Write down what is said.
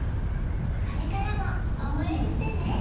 これからも応援してね。